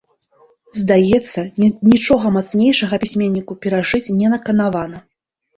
Здаецца, нічога мацнейшага пісьменніку перажыць не наканавана.